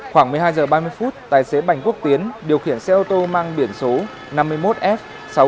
khoảng một mươi hai h ba mươi phút tài xế bành quốc tiến điều khiển xe ô tô mang biển số năm mươi một f sáu nghìn chín trăm năm mươi ba